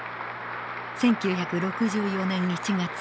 １９６４年１月。